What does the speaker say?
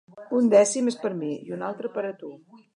Un dècim és per a mi i un altre per a tu.